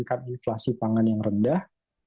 kita akan menginginkan inflasi pangan yang rendah